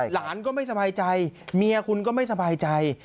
หลานก็ไม่สบายใจเมียคุณก็ไม่สบายใจ